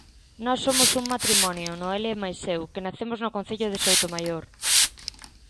Nós somos un matrimonio, Noelia e máis eu, que nacemos no concello de Soutomaior.